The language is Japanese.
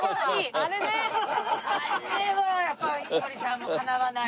あれはやっぱ井森さんもうかなわないわ。